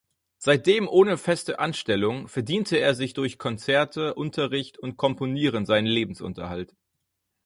Seitdem ohne feste Anstellung, verdiente er sich durch Konzerte, Unterricht und Komponieren seinen Lebensunterhalt.